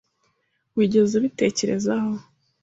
Wigeze ubitekereza?